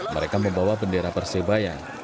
mereka membawa bendera persebaya